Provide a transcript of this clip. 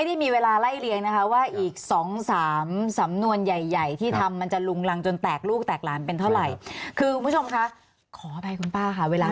ร่วม๑๐ตลาดแต่ว่าที่มีการฟ้องร้องเป็นคดีเนี่ย